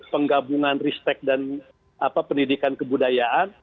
penggabungan ristek dan pendidikan kebudayaan